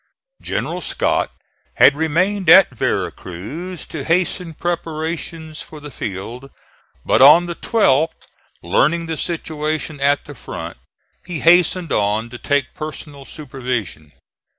General Scott had remained at Vera Cruz to hasten preparations for the field; but on the 12th, learning the situation at the front, he hastened on to take personal supervision.